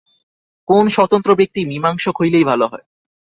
কোন স্বতন্ত্র ব্যক্তি মীমাংসক হইলেই ভাল হয়।